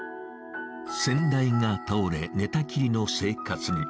先代が倒れ、寝たきりの生活に。